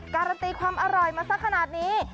การันตีความอร่อยมาสักขนาดนี้